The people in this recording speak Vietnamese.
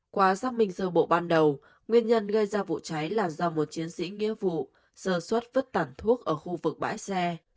qua xác minh sơ bộ ban đầu nguyên nhân gây ra vụ cháy là do một chiến sĩ nghĩa vụ sơ xuất vứt tàn thuốc ở khu vực bãi xe